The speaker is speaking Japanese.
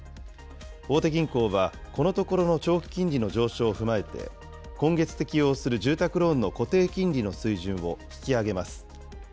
大手銀行はこのところの長期金利の上昇を踏まえて、今月適用する住宅ローンの固定金利の水準を引き上げます。